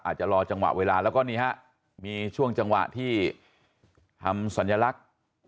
อาจจะรอจังหวะเวลาแล้วก็นี่ฮะมีช่วงจังหวะที่ทำสัญลักษณ์